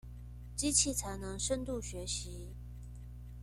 機器才能深度學習